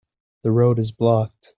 The road is blocked.